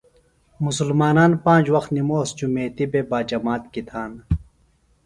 مسلمانان پانج وخت نموس جُمیتی بےۡ باجمات کیۡ تھانہ۔